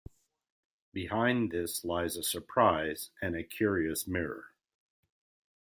Behind this lies a surprise, and a curious mirror.